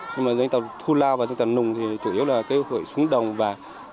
nhưng mà dân tộc thu lao và dân tộc nùng thì chủ yếu là cái hội xuống đồng và